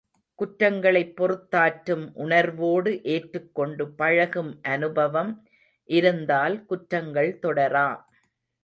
குற்றங்களைப் பொறுத்தாற்றும் உணர்வோடு ஏற்றுக் கொண்டு பழகும் அனுபவம் இருந்தால் குற்றங்கள் தொடரா.